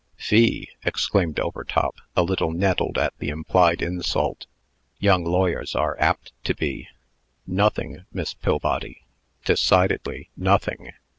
"Fee!" exclaimed Overtop, a little nettled at the implied insult. (Young lawyers are apt to be.) "Nothing, Miss Pillbody; decidedly nothing."